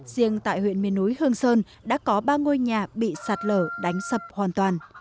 riêng tại huyện miền núi hương sơn đã có ba ngôi nhà bị sạt lở đánh sập hoàn toàn